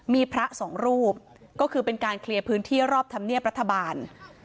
มีพระสองรูปก็คือเป็นการเคลียร์พื้นที่รอบธรรมเนียบรัฐบาล